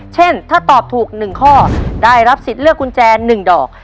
เช่นถ้าตอบถูก๑ข้อได้รับสิทธิ์เลือกกุญแจ๑ดอก